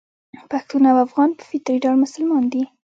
پښتون او افغان په فطري ډول مسلمان دي.